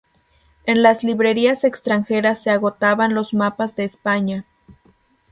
En las librerías extranjeras se agotaban los mapas de España.